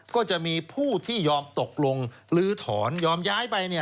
ก็จะมีผู้ที่ยอมตกลงลื้อถอนยอมย้ายไป